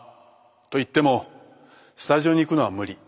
と言ってもスタジオに行くのは無理。